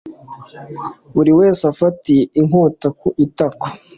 buri wese afatiye inkota ku itako